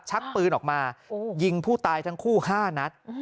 ชักปืนออกมายิงผู้ตายทั้งคู่๕นัด